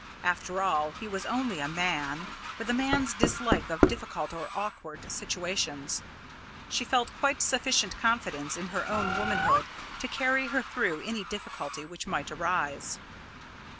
After all, he was only a man, with a man's dislike of difficult or awkward situations. She felt quite sufficient confidence in her own womanhood to carry her through any difficulty which might arise.